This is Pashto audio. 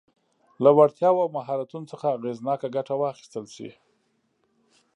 له وړتیاوو او مهارتونو څخه اغېزناکه ګټه واخیستل شي.